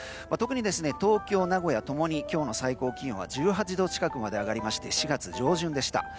特に東京、名古屋共に今日の最高気温は１８度近くまで上がりまして４月上旬でした。